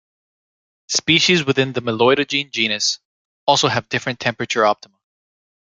Species within the "Meloidogyne" genus also have different temperature optima.